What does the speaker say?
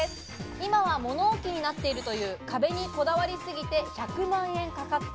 今は物置になっているという壁にこだわりすぎて１００万円かかった。